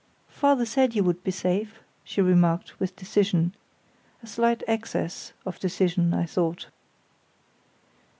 "Father said you would be safe," she remarked, with decision—a slight excess of decision, I thought.